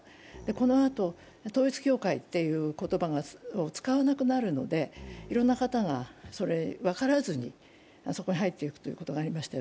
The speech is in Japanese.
このあと統一教会という言葉を使わなくなるのでいろんな方がそれと分からずにそこに入っていくことがありました。